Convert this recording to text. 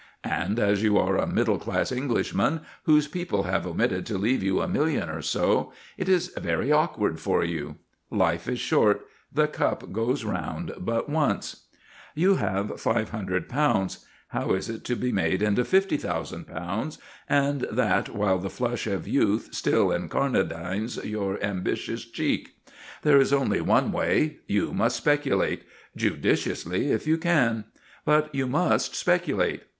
And as you are a middle class Englishman whose people have omitted to leave you a million or so, it is very awkward for you. Life is short; the cup goes round but once. You have £500. How is it to be made into £50,000, and that while the flush of youth still incarnadines your ambitious cheek? There is only one way: you must speculate judiciously, if you can; but you must speculate.